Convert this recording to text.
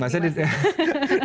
serig di php juga